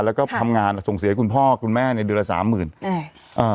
แล้วก็ทำงานส่งเสียของคุณพ่อกับคุณแม่ในเดือนละ๓๐๐๐๐